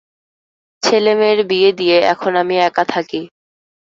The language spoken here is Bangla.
ছেলেমেয়ের বিয়ে দিয়ে, এখন আমি একা থাকি।